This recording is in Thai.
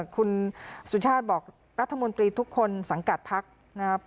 คุณสุชาติบอกรัฐมนตรีทุกคนสังกัดพักนะครับ